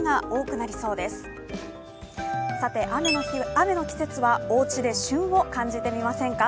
雨の季節はおうちで旬を感じてみませんか？